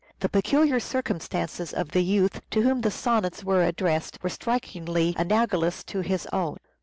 The peculiar circumstances of the youth to whom the Sonnets were addressed were strikingly analogous to his own.